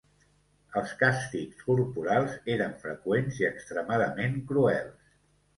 Els càstigs corporals eren freqüents i extremadament cruels.